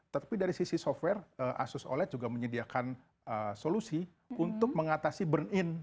tapi dari sisi software asus oled juga menyediakan solusi untuk mengatasi burn in